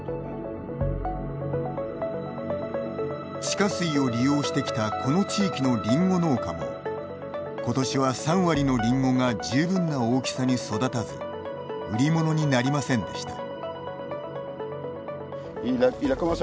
地下水を利用してきたこの地域のりんご農家も今年は３割のりんごが十分な大きさに育たず売り物になりませんでした。